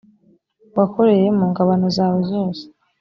wakoreye mu ngabano zawe zose